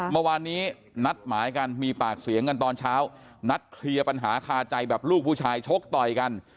เมื่อวานนี้นัดหมายกันมีปากเสียงกันตอนเช้านัดเคลียร์ปัญหาคาใจแบบลูกผู้ชายชกต่อยกัน